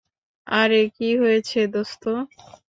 আরে কি হয়েছে, দোস্ত?